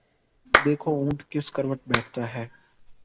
دیکھو اونٹ کس کروٹ بیٹھتا ہے ۔